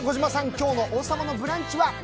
今日の「王様のブランチ」は？